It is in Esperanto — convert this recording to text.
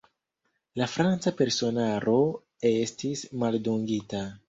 La franca personaro estis maldungita.